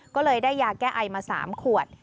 ก็เลยได้ยาแก้ไอมา๓ขวด